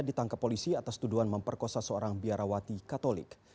ditangkap polisi atas tuduhan memperkosa seorang biarawati katolik